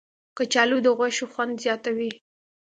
کچالو د غوښو خوند زیاتوي